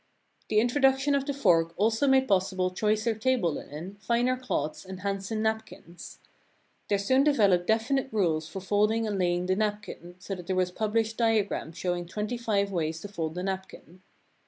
The introduction of the fork also made possible choicer table linen, finer cloths, and handsome nap kins. There soon developed definite rules for folding and laying the napkin, so that there was published diagrams showing twenty five ways to fold a napkin.